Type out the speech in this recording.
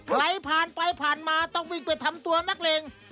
ใครผ่านไปผ่านมาต้องวิ่งไปทำตัวนักเลง